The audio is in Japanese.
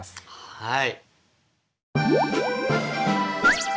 はい。